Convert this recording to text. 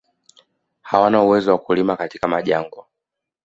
Hawana uwezo wa kulima katika majangwa